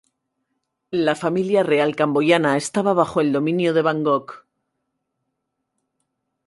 La familia real camboyana estaba bajo el dominio de Bangkok.